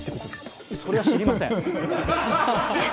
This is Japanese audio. そりゃ知りません。